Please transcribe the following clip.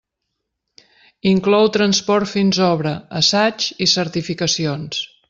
Inclou transport fins obra, assaigs i certificacions.